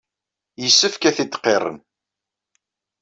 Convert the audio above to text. Yessefk ad t-id-qirren.